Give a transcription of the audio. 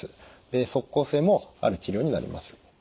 で即効性もある治療になります。